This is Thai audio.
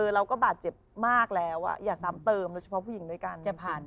เราก็บาดเจ็บมากแล้วอย่าซ้ำเติมโดยเฉพาะผู้หญิงด้วยกัน